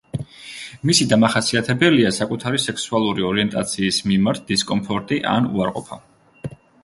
მისი დამახასიათებელია საკუთარი სექსუალური ორიენტაციის მიმართ დისკომფორტი ან უარყოფა.